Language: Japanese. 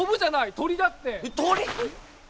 鳥だってね？